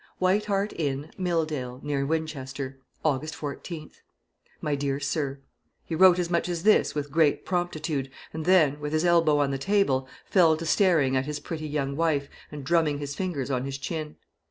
"White Hart Inn, Milldale, near Winchester, "August 14th. "MY DEAR SIR," He wrote as much as this with great promptitude, and then, with his elbow on the table, fell to staring at his pretty young wife and drumming his fingers on his chin.